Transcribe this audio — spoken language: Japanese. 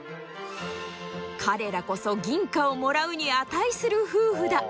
「彼らこそ銀貨をもらうに値する夫婦だ。